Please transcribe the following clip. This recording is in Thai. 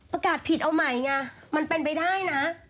ประกาศผิดเอาใหม่ไงมันเป็นไปได้นะ